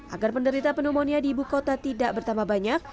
agar penderita pneumonia di ibu kota tidak bertambah banyak